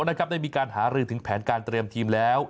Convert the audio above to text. ได้มีการหารือถึงแผนการเตรียมทีมแล้ว